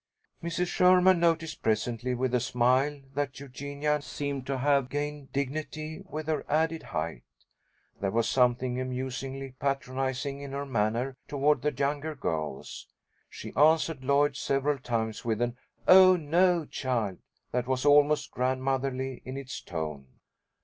Mrs. Sherman noticed presently, with a smile, that Eugenia seemed to have gained dignity with her added height. There was something amusingly patronising in her manner toward the younger girls. She answered Lloyd several times with an "Oh, no, child" that was almost grandmotherly in its tone.